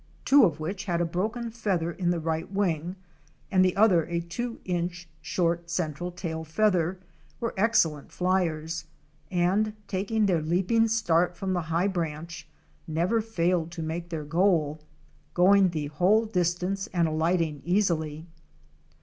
Two, one of which had a broken feather in the right wing, and the other a two inch short central tail feather, were excellent flyers and, taking their leaping start from the high branch, never failed to make their goal, going the whole distance and alighting easily.